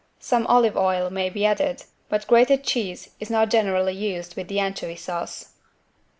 Some olive oil may be added, but grated cheese is not generally used with the anchovy sauce.